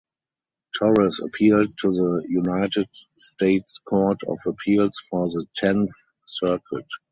Torres appealed to the United States Court of Appeals for the Tenth Circuit.